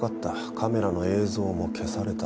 カメラの映像も消された。